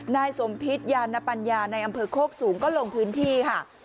นายสมพิษยานปัญญาในอำเภอโคกสูงก็ลงพื้นที่ค่ะ